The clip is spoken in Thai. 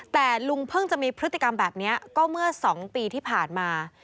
แต่ลุงเพิ่งจะมีพฤติกรรมแบบนี้ก็เมื่อ๒ปีที่ผ่านมา